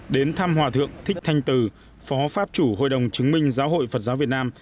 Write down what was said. đến thăm hòa thượng thích thanh từ phó pháp chủ hội đồng chứng minh giáo hội phật giáo việt nam